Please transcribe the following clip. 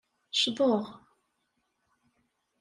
Ccḍeɣ.